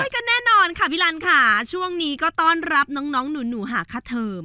ก็แน่นอนค่ะพี่ลันค่ะช่วงนี้ก็ต้อนรับน้องหนูหาค่าเทิม